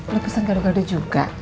lo pesen gaduh gaduh juga